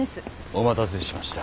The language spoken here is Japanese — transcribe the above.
お待たせしました。